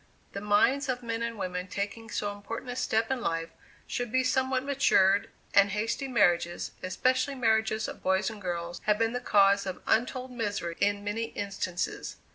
The minds of men and women taking so important a step in life should be somewhat matured, and hasty marriages, especially marriages of boys and girls, have been the cause of untold misery in many instances.